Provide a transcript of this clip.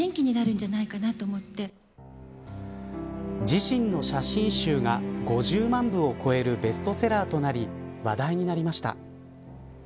自身の写真集が５０万部を超えるベストセラーとなり話題になりました。